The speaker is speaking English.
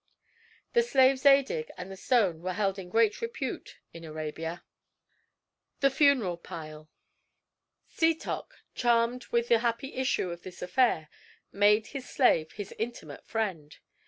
The slave Zadig and the stone were held in great repute in Arabia. THE FUNERAL PILE Setoc, charmed with the happy issue of this affair, made his slave his intimate friend.